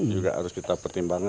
juga harus kita pertimbangkan